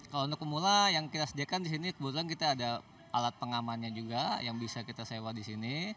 kalau untuk pemula yang kita sediakan di sini kebetulan kita ada alat pengamannya juga yang bisa kita sewa di sini